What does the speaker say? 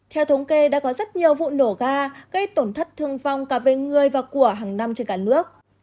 theo thống kê đã có rất nhiều vụ nổ ga gây tổn thất thương vong cả về người và của hàng năm trên cả nước